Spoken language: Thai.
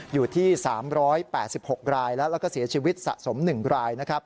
อยู่ที่๓๘๖รายแล้วแล้วก็เสียชีวิตสะสม๑ราย